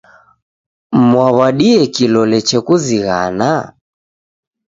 Mwaw'adie kilole chekuzighana?